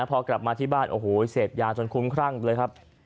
พอกลับมาที่บ้านโอ้โหเสพยาจนคุ้มครั่งเลยครับ